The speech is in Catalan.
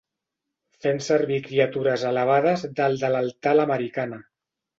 Fent servir criatures elevades dalt de l'altar a l'americana.